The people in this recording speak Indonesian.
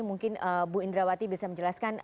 mungkin bu indrawati bisa menjelaskan